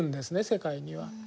世界には。